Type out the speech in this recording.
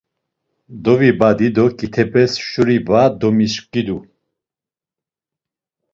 Dovibadi do k̆itepes şuri va domiskidu.